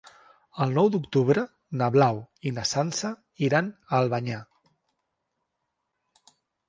El nou d'octubre na Blau i na Sança iran a Albanyà.